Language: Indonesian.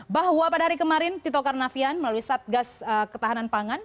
bahwa pada hari kemarin tito karnavian melalui satgas ketahanan pangan